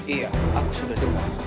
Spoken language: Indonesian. iya aku sudah dengar